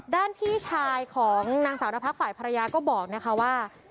พี่ชายของนางสาวนพักฝ่ายภรรยาก็บอกนะคะว่า